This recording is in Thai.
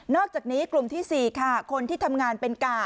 อกจากนี้กลุ่มที่๔ค่ะคนที่ทำงานเป็นก่า